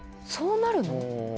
そうなるの？